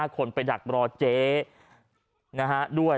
กลับมาพร้อมขอบความ